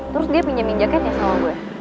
terus dia pinjemin jaketnya sama gue